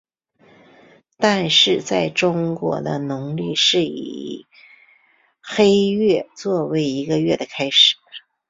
但是在中国的农历是以黑月做为一个月的开始。